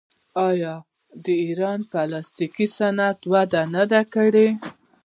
آیا د ایران پلاستیک صنعت وده نه ده کړې؟